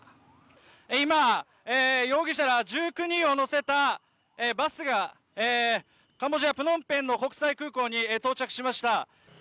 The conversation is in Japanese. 今、容疑者ら１９人をのせたバスがカンワボジア・プノンペンの国際空港に到着しました。